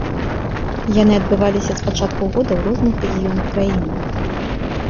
Яны адбываліся з пачатку года ў розных рэгіёнах краіны.